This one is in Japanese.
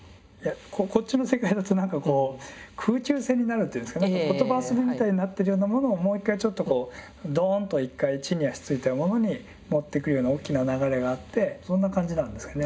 こっちの世界だと何かこう空中戦になるっていうんですか言葉遊びみたいになってるようなものをもう一回ちょっとこうドーンと一回地に足ついたものに持ってくような大きな流れがあってそんな感じなんですかね。